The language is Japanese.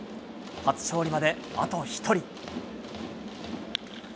初勝利まであと１人。